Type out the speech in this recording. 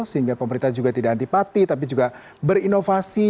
sehingga pemerintah juga tidak antipati tapi juga berinovasi